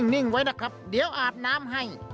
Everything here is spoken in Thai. นิ่งไว้นะครับเดี๋ยวอาบน้ำให้